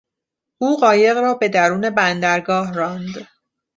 او قایق را به درون بندرگاه راند.